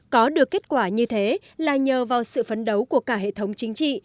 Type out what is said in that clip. có được kết quả như thế là nhờ vào sự phấn đấu của cả hệ thống chính trị